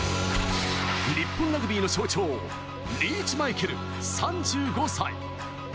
日本ラグビーの象徴、リーチ・マイケル、３５歳。